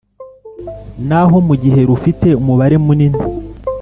naho mu gihe rufite umubare mu nini